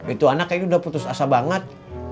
itu anaknya udah putus asa banget